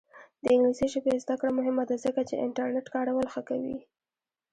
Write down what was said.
د انګلیسي ژبې زده کړه مهمه ده ځکه چې انټرنیټ کارول ښه کوي.